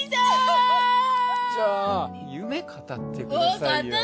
じゃあ夢語ってくださいよ。